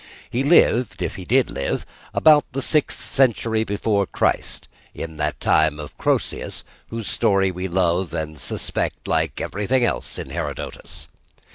He lived, if he did live, about the sixth century before Christ, in the time of that Croesus whose story we love and suspect like everything else in Herodotus.